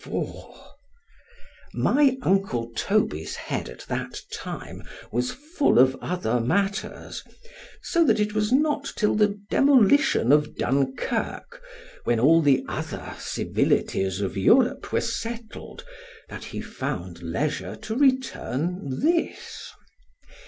XXXIV MY uncle Toby's head at that time was full of other matters, so that it was not till the demolition of Dunkirk, when all the other civilities of Europe were settled, that he found leisure to return this.